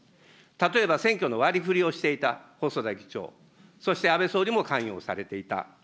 例えば選挙の割りふりをしていた細田議長、そして安倍総理も関与をされていた。